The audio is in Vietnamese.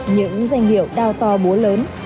những danh hiệu đau to búa lớn